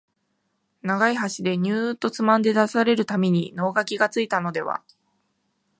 長い箸でニューッとつまんで出される度に能書がついたのでは、